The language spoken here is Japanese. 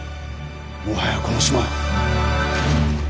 もはやこの島は。